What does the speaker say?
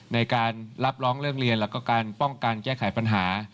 ในการรับร้องเรื่องเรียนแล้วก็การป้องกันแก้ไขปัญหา